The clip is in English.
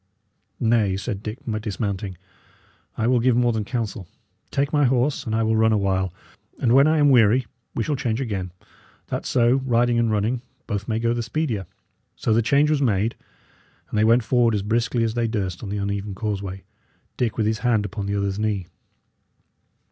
"Nay," said Dick, dismounting, "I will give more than counsel. Take my horse, and I will run awhile, and when I am weary we shall change again, that so, riding and running, both may go the speedier." So the change was made, and they went forward as briskly as they durst on the uneven causeway, Dick with his hand upon the other's knee.